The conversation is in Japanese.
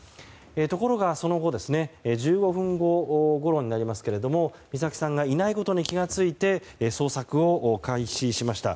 ところが、その後１５分後ごろになりますが美咲さんがいないことに気が付いて捜索を開始しました。